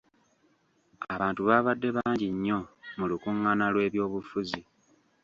Abantu baabadde bangi nnyo mu lukungaana lw'eby'obufuzi.